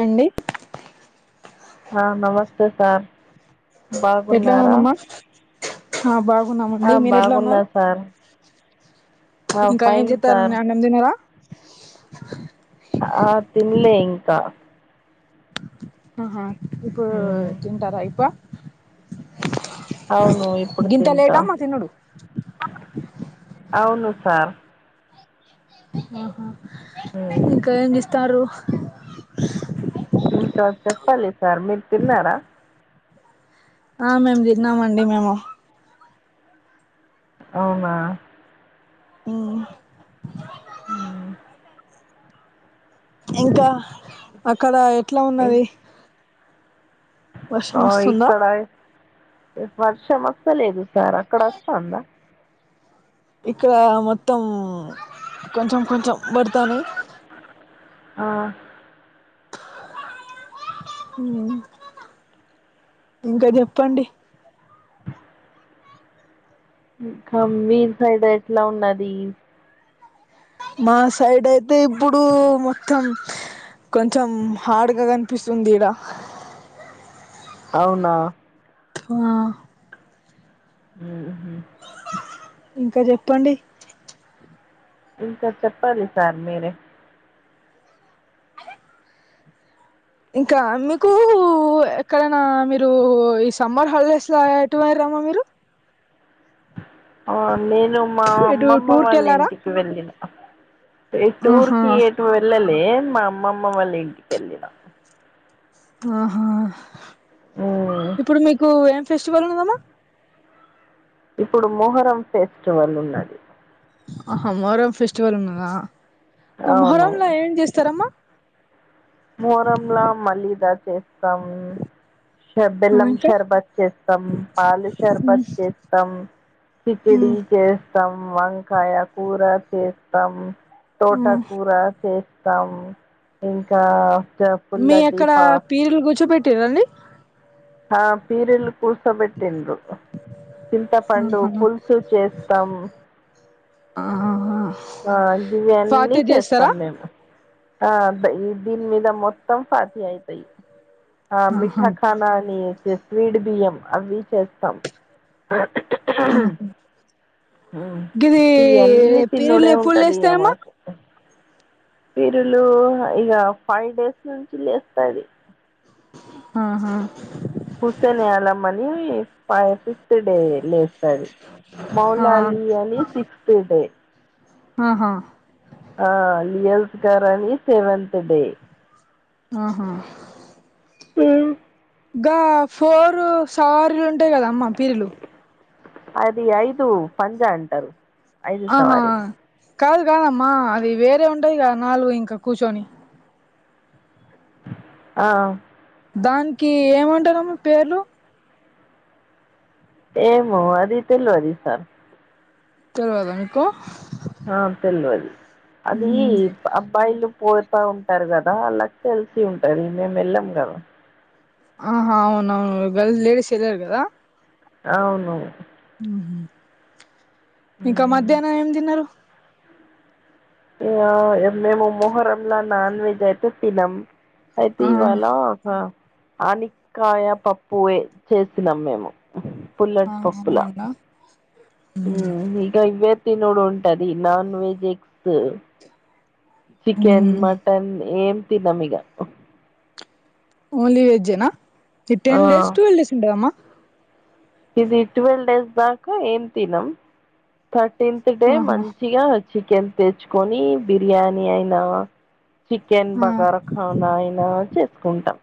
అండి ఆ నమస్తే సార్ ఎట్లా బాగున్నారా ఉన్నామ్మా ఆ ఆ బాగున్నామండి మీరేట్లా బాగున్నా ఉన్నారు సార్ ఆ ఇంకా ఏం ఫైన్ సార్ చేత్తాన్నారండి అన్నం తిన్నారా ఆ తిన్లే ఇంకా ఆహా ఇప్పుడు మ్మ్ తింటారా ఇప్ప అవును ఇప్పుడు గింత తింటా లేటమ్మా తినుడు అవును సార్ ఆహా మ్మ్ ఇంకా ఏం చేస్తారు ఇంకా లేదు సార్ మీరు తిన్నారా ఆ మేము తిన్నామండి మేము అవునా మ్ ఉమ్మ్ ఇంకా అక్కడ ఎట్లా ఇ- ఉన్నది వర్షం ఆ వస్తుందా ఇక్కడయ్ వర్షం వస్తలేదు సార్ అక్కడ వస్తాందా ఇక్కడ మొత్తం కొంచెం కొంచెం పడతానాయ్ ఆ ఉమ్మ్ ఇంక చెప్పండి ఇంకా మిసైడ్ ఎట్లా ఉన్నది మాసైడ్ అయితే ఇప్పుడు మొత్తం కొంచెం హార్డ్గా కనిపిస్తుంది ఇడ అవునా హ మ్మ్ఉమ్మ్ ఇంక చెప్పండి ఇంకా చెప్పాలి సార్ మీరే ఇంకా మీకూ ఎక్కడనా మీరూ ఈ సమ్మర్ హాలిడేస్లో ఎటు పోయిర మ్మ మీరు ఆ నేను మా ఎటు అమ్మమ్మ టూర్ కి వాళ్ళ వెళ్ళారా ఇంటికి వెళ్ళిన ఆహా టూర్కి ఎటువెళ్ళలే మా అమ్మమ్మ వాళ్ళ ఇంటికేళ్ళినా ఆహా ఉమ్, ఇప్పుడు మీకు ఏం ఫెస్టివల్ ఉన్నదమా ఇప్పుడు మొహరం ఫెస్టివల్ ఉన్నది ఆహా మొహర్రం ఫెస్టివల్ ఉన్నదా ఒ అవును మొహర్రంలా ఏం చేస్తారమ్మా మోహరంలా మళ్ళీదా చేస్తాం. ష ఆ బెల్లం ఇంకా షర్బత్ చేస్తాం. పాలు షర్బత్ చేస్తాం. కిచిడి మ్మ్ చేస్తాం. వంకాయా కూర చేస్తాం. తోట మ్మ్ కూర చేస్తాం. ఇంకా చ- మీ పుల్లటి అక్కడ పా పీరులు కూర్చోపెట్టిరండి. ఆ పీరీలు కూసబెట్టిండ్రు చింతపండు ఆహా పులుసు చేస్తాం. ఆహాహా ఆ ఇవి అన్నీ చేస్తాం. మేము ఆ ఈ దీని మీద మొత్తం, ఫతీ అయితయి ఆ ఆహా మిఠాఖానాని స్డ్ బియ్యం అవి చే స్తాం. అ ఆహా హ్ గిది ఇవన్నీ పీరీలు తిన్నడే ఎప్పుడు ఉంటది. ఇగ లేస్తాయమ్మా మాకు పీరులు ఇగా ఫైవ్ డేస్ నుంచి లేస్తాది. ఆ హా హుసన్ అళంమని ఫయి ఫిస్త్ డే లేస్తాది. ఆ మౌలాలీ అని సిక్స్త్ డే ఆహా ఆ లియల్స్ గార అని సెవెంతత్ డే ఆహా అ గా ఫోర్ సవారీలు ఉంటాయి. గదా అమ్మ పీర్లు అది ఐదు పంజా అంటారు. ఐదు ఆహా సవారిలు కాదు కాదమ్మా అది వేరే ఉంటదిగా, నాలుగు ఇంకా కూర్చొని ఆ దానికి ఏమంటారమ్మా పేర్లు ఏమో అది తెలువదు ఈ సార్ తెల్వదా మీకు ఆ తెల్వది అది ఉహు. అబ్బాయిలు పోతా ఉంటారు గదా, అలాగ తెలిసి ఉంటది. మేము వెళ్ళాం గదా ఆహా అవును అవును గల్స్ లేడీస్ ఎల్ర్ గదా అవును మ్ ఇంకా ఉమ్. మధ్యాహ్నం ఏం తిన్నారు. ఆ మేము మొహరంలా నాన్ వెజ్ అయితే తినం. అయితే ఆ ఇవాల ఒక ఆనికాయ పప్పువే చేసినాం మేము ఆ పుల్లట్ పప్పులా అవునంట ఉ ఇగా ఇవ్యతినోడు ఉంటది. Non veg eggs chicken, mutton ఏమీ తినమ్మీగ ఓన్లీ వెజ్నా ఈ ఆ టెన్ డేస్, ట్వల్వ్ డేస్ ఉంటదమ్మా ఇది ట్వల్వ్ డేస్దాక ఏం తినమ్ కట్ టెన్త్ డే ఆహా మంచిగా చికెన్ తెచ్చుకొని, బిర్యానీ అయినావా చికెన్ ఆ బగారఖానా అయినా చేసుకుంటాం.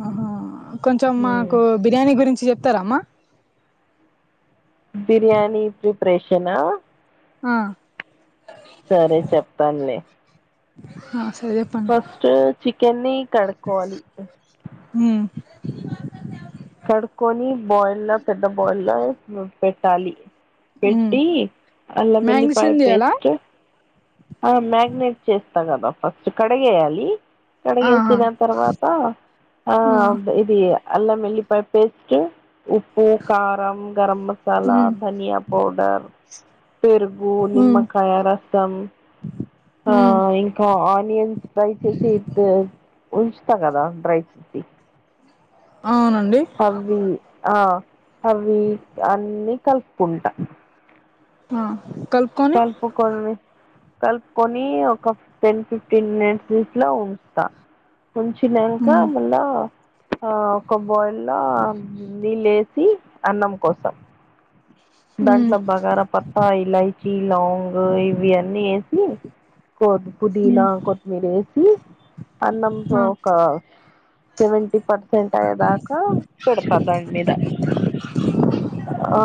ఆహా కొంచెం ఉమ్. మాకు బిర్యానీ గురించి చెప్తార అమ్మా బిర్యానీ ప్రిపరేషనా ఆ సరే చెప్తానులే ఆ సర చెప్పన్ని ఫస్ట్ చికెన్ని కడుక్కోవాలి ఉ కడుకొని బాయిల్ల పెద్ద బాయిల్ల పెట్టాలి ఉమ్ పెట్టి అల్లం వెల్లిపాయ మ్యాగ్నిషన్ చేయాలా పేస్ట్ ఆ మ్యాగినేట్ చేస్తా కదా ఫస్ట్ కడిగేయాలి ఆహా కడగియేసిన తరువాత ఆ అబ్ ఇది అల్లం ఎల్లిపాయ పేస్ట్ ఉప్పు కారం గరం మసాలా ఉమ్ ధనియా పౌడర్ పెరుగు ఉమ్ నిమ్మకాయ రసం ఆ ఉమ్ ఇంకా ఆనియన్స్ ఫ్రై చేసి ఇ ఉంచ్ ట కదా డ్రై ఫుట్టి అవునండి అవ్వి ఆ అవవి అన్ని కలుపుకుంటా ఆ కలుపుకొని కలిపు కొని కలుపుకొని ఒక టెన్ ఫిఫ్టీన్ మినిట్స్ ఇట్ల ఉంచుతా ఉంచినంక ఉమ్ మళ్ళా ఆ ఒక బాయిల్ల నీళ్లేసి అన్నం కోసం ఉమ్ దాంట్లో బగారా పత్తా ఇలయిచి లాంగ్ ఇవి అన్నీ ఏస్ సి కొ పుదీనా ఉమ్ కొత్తిమీర వేసి అన్నం కొ ఆ ఒక సెవెంటీ పర్సెంట్ అయ్యేదాకా పెడత దాని మీద ఆ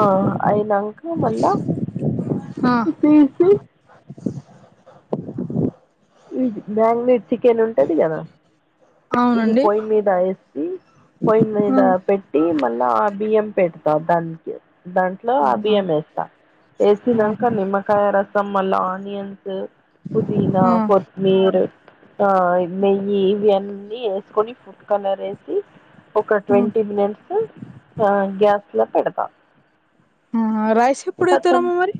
అయినాంక మళ్ళా ఆ తీసి ఈ మ్యాంగ్లీ చికెన్ ఉంటది కదా ఇది అవునండి పొయ్యి మీద ఏసి పొయ్యి ఆ మీద పెట్టి మళ్ళా ఆ బియ్యం పెట్ ప్రధన్ కి దాంట్లో ఆ అవునా బియ్యం వేస్తా వేసినంక ఆహా నిమ్మకాయ రసం మళ్ళా ఆనియన్ స్ పుదీనా ఆ కొత్మీర్ ఆ నెయ్యి ఇవి అన్నీ వేసుకొని ఫుడ్ కలర్ ఏసి ఒక ఉమ్ ట్వంటీ మినిట్స్ ఆ గ్యాస్ లో పెడతాం ఆ రైస్ కతం ఎప్పుడవుతారమ్మా మరి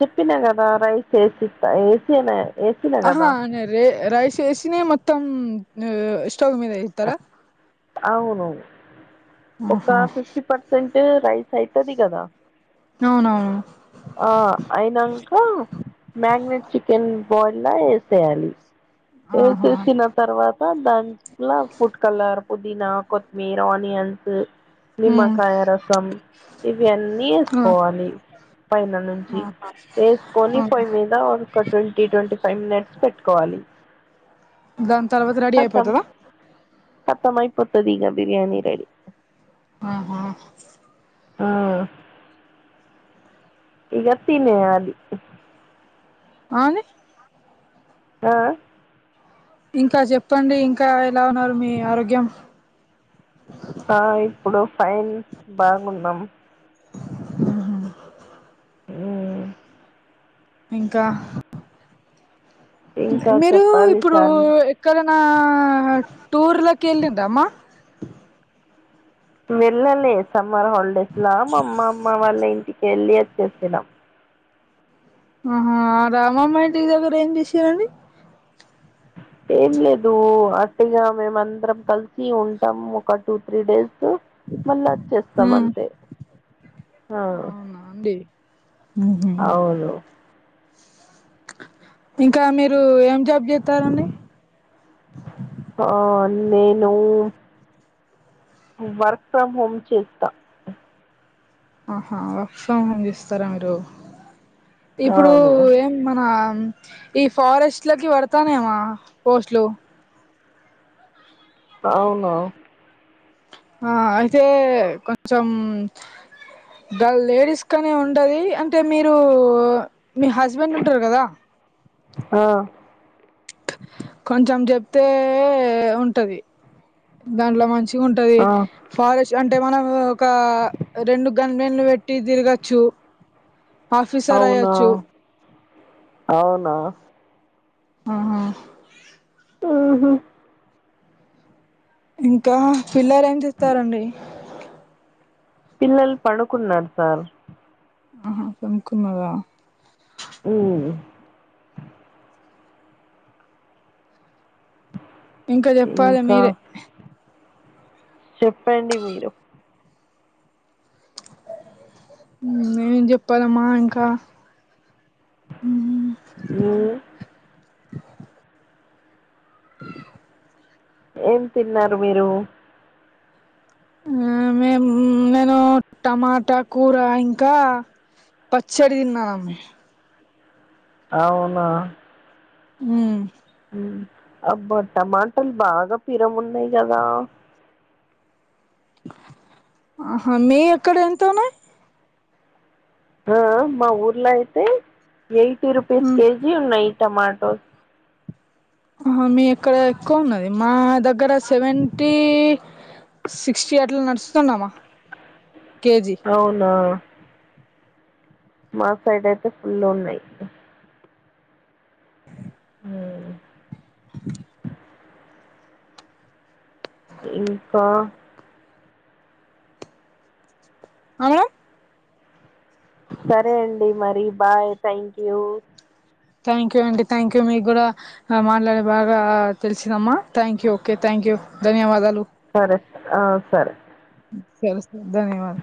చెప్పినా కదా రైస్ వేసిస్త వేసి అనే అహ అనే రే రైస్ ఏసినే మోత్తం స్టవ్ మీద ఇతార అవును ఒక ఆహా ఫిఫ్టీ పర్సెంట్ రైస్ సైతది కదా అవునవును ఆ అయినంక మ్యాగనేట్ చికెన్ బోయినా ఏసేయాలి ఆహా వేసేసిన తర్వాత దాంట్లో పుట్ కలర్ పుదీనా కొత్తిమీర ఆనియన్ హ్మ్ నిమ్మకాయ రసం ఇవన్నీ ఆ వేసుకోవాలి పైన నుంచి ఆహా వేసుకొని ఆ పొయి మీద ఒక ట్వంటీ ట్వంటీ ఫైవ్ మినిట్స్ పెట్టుకోవాలి దాని తర్వాత రెడీ అయిపోతదా కతమయిపోతది ఇగ బిర్యానీ రెడి ఆహా ఆ ఇగ తినేయాలి అను ఆ ఇంకా చెప్పండి ఇంకా ఎలా ఉన్నారు మీ ఆరోగ్యం ఆ ఇప్పుడు ఫైన్ బాగుందాం ఉహు ఊ ఇంకా ఇంకా మీరు చెప్పాలి ఇప్పుడు సార్ ఎక్కడ నా టూర్లా కెళ్ళిద్దామ వెళ్ళలే సమ్మర్ హాలిడేస్ లా మా అమ్మమ్మ వాళ్ళ ఇంటి ఎల్లి వచ్చేసిన ఆహా రామమ్మయింటి దగ్గర ఏం చేసారండి ఏం లేదు అట్టిగ మేమ అందరం కలిసి ఉంటాం ఒక టూ త్రీ డేస్ మళ్ళ వచ్చేస్తాం హ్మ్ అంతే ఆ అవునా అండి ఊహూ అవును ఇంకా మీరు ఏం జాబ్ చేత్తారండి ఆ నేను వర్క్ ఫ్రమ్ హోమ్ చేత్తా ఆహా వర్క్ ఫ్రమ్ హోమ్ చేస్తారా మీరు ఇప్పుడు అవును ఏం మన ఈ ఫారెస్ట్లకి పడతానయమా పోస్ట్లు అవున ఆ అయితే కొంచెం గా లేడీస్ కానే ఉండది అంటే మీరు మీ హస్బెండ్ ఉంటరు కదా ఆ కొంచెం చెప్తే ఉంటది దాంట్లో మంచి ఉంటది ఆ ఫారెస్ట్ అంటే మనం ఒక రెండు గన్ మెన్లు పెట్ తిరగచ్చు ఆఫీసర్ అవునా అయ్యచ్చు అవునా ఆహా ఆహా ఇంకా పిల్లలు ఏం చేస్తారండి పిల్లలు పనుకున్నారు సార్ అహ పనుకున్నదా ఉ ఇంకా చెప్పాలి ఇంకా మీరే చెప్పండి మీరు నే చెప్పాలమ్మా ఇంకా అ ఉ [inaudible] [inaudible] ఏం తిన్నారు మీరు ఆ మేమ్ మేము టమాటా కూర ఇంకా పచ్చడి తిన్నాము అవునా ఉమ్ అబ్బా టమాటాలు బాగా పిరం ఉన్నాయి కదా ఆహా మీ అక్కడ ఎంతున్నాయి ఆ ఆ మా ఊర్లో అయితే ఎయిటీ రుపీస్ కేజీ ఉన్నాయి టమాటోస్ ఆ మీ ఇక్కడ ఎక్కువ ఉన్నది మా దగ్గర సెవెంటీ సిక్స్టీ అట్లా నడుస్తున్నామా అవునా మా సైడ్ అయితే ఫుల్ ఉన్నాయి ఆ ఇంకా అవును సరే అండి మరి bye thank you thank you అండి థ్యాంక్ యూ మీకు కూడా మాట్లాడ బాగా తెలిసిందమ్మా thank you okay thank you కు ధన్యవాదాలు సరే సరే ఆ సరే సర సర ధన్యవాదలు